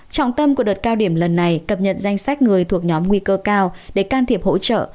trọng tâm của đợt cao điểm lần này cập nhật danh sách người thuộc nhóm nguy cơ cao để can thiệp hỗ trợ